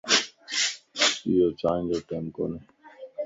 ايو چائين جو ٽيم ڪوني